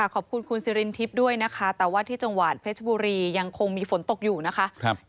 ขอบคุณคุณสิรินทิพย์ด้วยนะคะแต่ว่าที่จังหวัดเพชรบุรียังคงมีฝนตกอยู่นะคะ